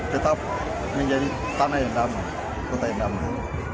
tetap menjadi tanah yang damai kota yang damai